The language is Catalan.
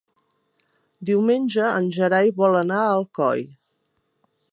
Diumenge en Gerai vol anar a Alcoi.